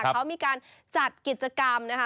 เขามีการจัดกิจกรรมนะคะ